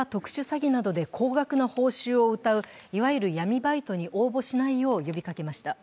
高校生らに強盗や特殊詐欺などで高額な報酬をうたう、いわゆる闇バイトに応募しないよう呼びかけました。